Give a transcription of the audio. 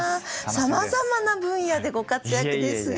さまざまな分野でご活躍ですが。